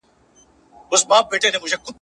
چي واعظ خانه خراب وي را نصیب مي هغه ښار کې `